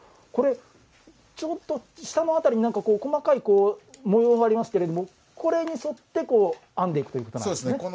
これちょっと下の辺りに細かい模様がありますけれどもこれに沿って編んでいくということなんですね。